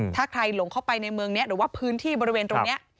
ถ้าใครหลงเข้าไปในเมืองนี้หรือว่าพื้นที่บริเวณตรงนี้